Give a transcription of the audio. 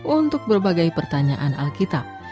untuk berbagai pertanyaan alkitab